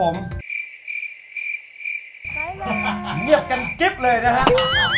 เงียบกันจิ๊บเลยนะครับ